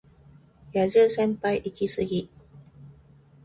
野獣先輩イキスギ